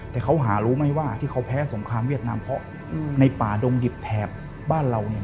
แต่เขาหารู้ไหมว่าที่เขาแพ้สงครามเวียดนามเพราะในป่าดงดิบแถบบ้านเราเนี่ย